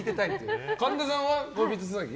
神田さんは、恋人つなぎ？